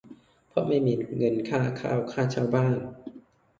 เพราะไม่มีเงินค่าข้าว ค่าเช่าบ้าน